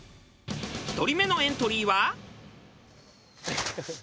１人目のエントリーは。